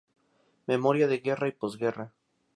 Memoria de guerra y posguerra".